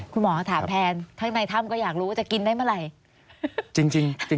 คุณหมอถามแทนข้างในถ้ำก็อยากรู้ว่าจะกินได้เมื่อไหร่